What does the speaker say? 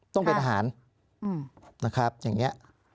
ต้องเป็นทหารนะครับอย่างนี้